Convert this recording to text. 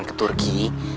dia ke turki